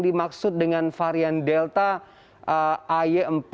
dimaksud dengan varian delta ay empat